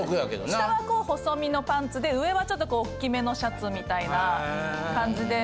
下はこう細身のパンツで上はちょっとこうおっきめのシャツみたいな感じで